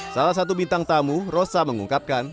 salah satu bintang tamu rosa mengungkapkan